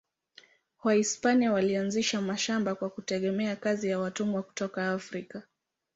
Wahispania walianzisha mashamba kwa kutegemea kazi ya watumwa kutoka Afrika.